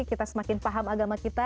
kita semakin paham agama kita